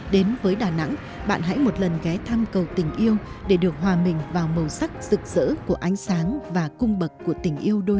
đến với đà nẵng bạn hãy một lần ghé thăm cầu tình yêu để được hòa mình vào màu sắc rực rỡ của ánh sáng và cung bậc của tình yêu đôi